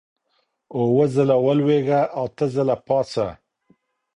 اووه ځله ولوېږه، اته ځله پاڅه.